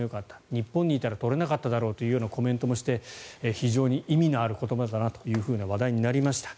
日本にいたら取れなかっただろうというコメントもして非常に意味のある言葉だなと話題になりました。